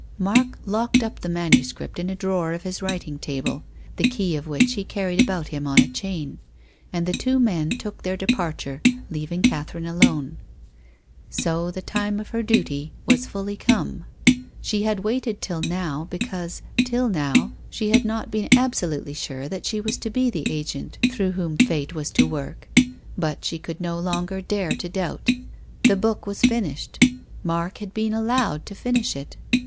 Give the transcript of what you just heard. Mark locked up the manuscript in a drawer of his writing table, the key of which he carried about him on a chain. And the two men took their departure, leaving Catherine alone. So the time of her duty was fully come. She had waited till now, because, till now, she had not 176 TONGUES OF CONSCIENCE. been absolutely sure that she was to be the agent through whom Fate was to work. But she could no longer dare to doubt. The book was finished. Mark had been allowed to finish it.